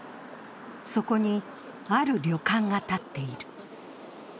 そこに、ある旅館が建っている。